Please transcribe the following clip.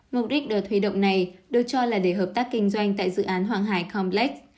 mục đích được huy động này được cho là để hợp tác kinh doanh tại dự án hoàng hải complex